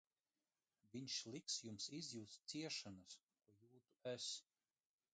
Viņš liks jums izjust ciešanas, ko jūtu es!